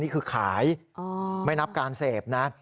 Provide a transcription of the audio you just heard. นี่คือขายไม่นับการเสพนะ